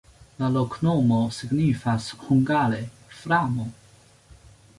La loknomo signifas hungare: framo.